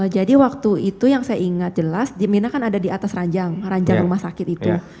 jadi waktu itu yang saya ingat jelas mirna kan ada di atas ranjang ranjang rumah sakit itu